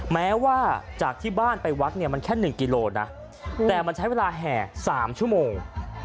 แม้ว่าจากที่บ้านไปวัดเนี่ยมันแค่๑กิโลนะแต่มันใช้เวลาแห่๓ชั่วโมง